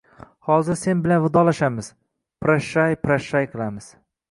— Hozir sen bilan vidolashamiz… proshay-proshay qilamiz!